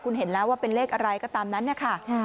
คุณเห็นแล้วว่าเป็นเลขอะไรก็ตามนั้นนะคะ